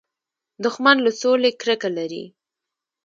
دښمن له سولې کرکه لري